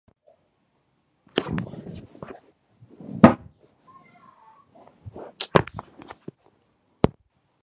Jean-marie alikuwa mgumu